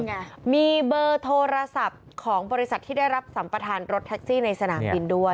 ไงมีเบอร์โทรศัพท์ของบริษัทที่ได้รับสัมประธานรถแท็กซี่ในสนามบินด้วย